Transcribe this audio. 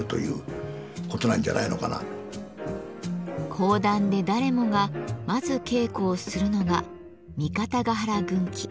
講談で誰もがまず稽古をするのが「三方ヶ原軍記」。